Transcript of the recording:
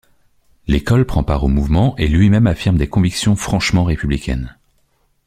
L’École prend part au mouvement et lui-même affirme des convictions franchement républicaines.